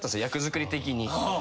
役作り的に。